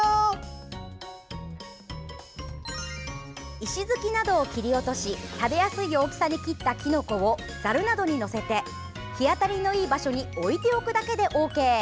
石突きなどを切り落とし食べやすい大きさに切ったきのこを、ざるなどに載せて日当たりのいい場所に置いておくだけでＯＫ！